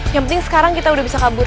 yang penting sekarang kita udah bisa kabur